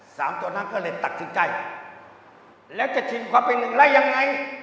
สามตัวนั้นก็เลยตัดสินใจแล้วจะชิงความเป็นหนึ่งได้ยังไง